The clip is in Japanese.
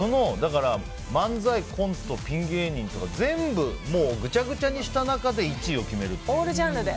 漫才、コント、ピン芸人とか全部、ぐちゃぐちゃにした中で１位を決めるっていう。